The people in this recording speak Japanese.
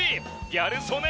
ギャル曽根